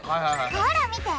ほら見て！